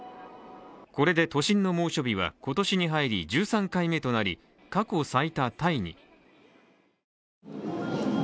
これで都心の猛暑日は今年に入り１３回目となり過去最多タイに。